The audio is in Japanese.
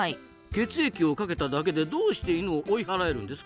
血液をかけただけでどうしてイヌを追い払えるんですか？